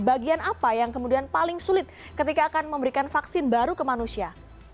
bagian apa yang kemudian paling sulit ketika akan memberikan vaksin baru ke manusia